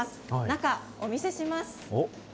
中、お見せします。